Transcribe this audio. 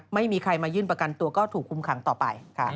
ไม่มีใครมายื่นประกันตัวก็ถูกคุมขังต่อไปค่ะ